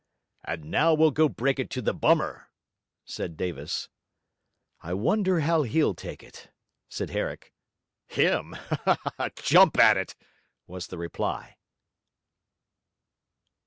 'And now we'll go break it to the bummer,' said Davis. 'I wonder how he'll take it,' said Herrick. 'Him? Jump at it!' was the reply.